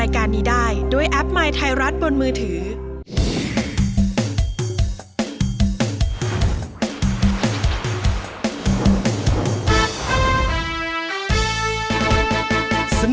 คุณล่ะโหลดกันหรือยัง